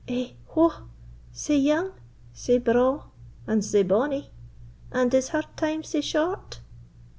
Eh, whow! sae young, sae braw, and sae bonny—and is her time sae short?"